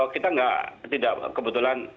kita tidak kebetulan